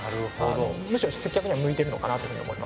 むしろ接客には向いているのかなというふうに思います。